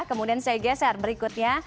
kemudian saya geser berikutnya